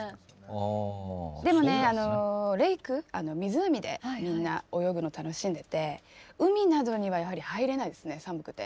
でもねレイク湖でみんな泳ぐの楽しんでて海などにはやはり入れないですね寒くて。